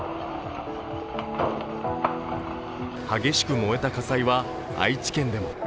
激しく燃えた火災は愛知県でも。